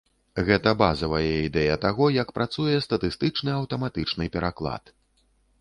Гэта базавая ідэя таго, як працуе статыстычны аўтаматычны пераклад.